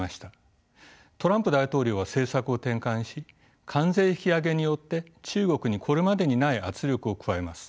トランプ大統領は政策を転換し関税引き上げによって中国にこれまでにない圧力を加えます。